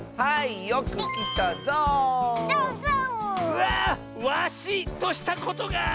うわワシとしたことが。